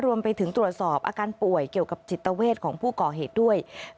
รวมไปถึงตรวจสอบอาการป่วยเกี่ยวกับจิตเวทของผู้ก่อเหตุด้วย